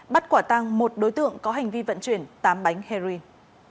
bắt quả tăng một đối tượng có hành vi vận chuyển tám bánh heroin